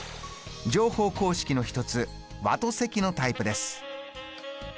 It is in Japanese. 乗法公式の１つ和と積のタイプです。